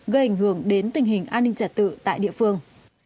gây ảnh hưởng đến tình hình an ninh trật tự tại địa phương